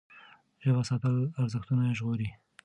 ژبه ساتل ارزښتونه ژغوري.